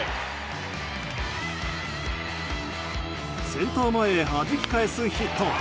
センター前へはじき返すヒット。